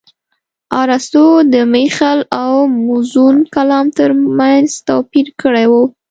ارستو د مخيل او موزون کلام ترمنځ توپير کړى و.